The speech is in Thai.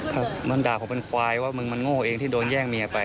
ครับมันด่าผมเป็นควายว่ามึงมันโง่เองที่โดนแย่งเมียไป